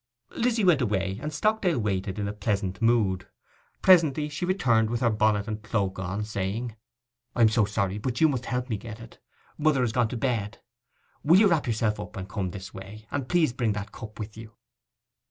Lizzy went away, and Stockdale waited in a pleasant mood. Presently she returned with her bonnet and cloak on, saying, 'I am so sorry, but you must help me to get it. Mother has gone to bed. Will you wrap yourself up, and come this way, and please bring that cup with you?